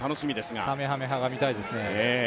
かめはめ波が見たいですね。